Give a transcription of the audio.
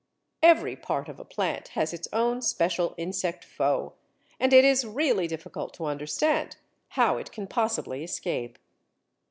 Every part of a plant has its own special insect foe, and it is really difficult to understand how it can possibly escape.